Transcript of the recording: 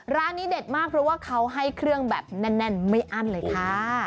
ร้านนี้เด็ดมากเพราะว่าเขาให้เครื่องแบบแน่นไม่อั้นเลยค่ะ